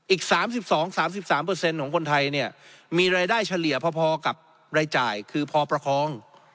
อีก๓๒๓๓ของคนไทยเนี่ยมีรายได้เฉลี่ยพอกับรายจ่ายคือพอประคอง